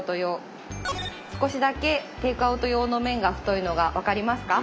少しだけテイクアウト用の麺が太いのが分かりますか？